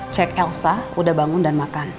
cek elsa udah bangun dan makan